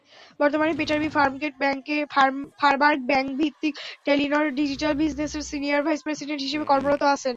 বর্তমানে Petter B Furberg ব্যাংককভিত্তিক Telenor digital বিজনেসের সিনিয়র ভাইস প্রেসিডেন্ট হিসেবে কর্মরত আছেন।